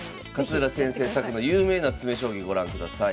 勝浦先生作の有名な詰将棋ご覧ください。